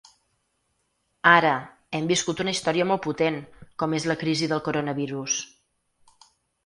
Ara, hem viscut una història molt potent, com és la crisi del coronavirus.